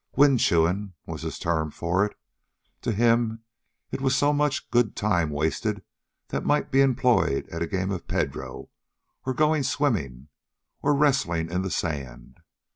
"Wind chewin'," was his term for it. To him it was so much good time wasted that might be employed at a game of Pedro, or going swimming, or wrestling in the sand.